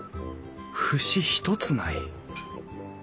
節一つない。